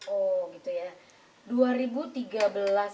oh gitu ya